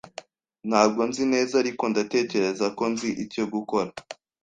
Ntabwo nzi neza, ariko ndatekereza ko nzi icyo gukora.